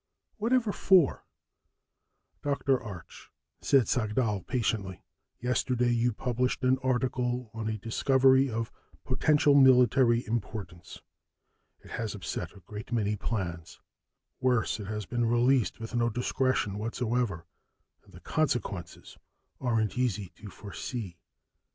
"Whatever for?" "Dr. Arch," said Sagdahl patiently, "yesterday you published an article on a discovery of potential military importance. It has upset a great many plans. Worse, it has been released with no discretion whatsoever, and the consequences aren't easy to foresee.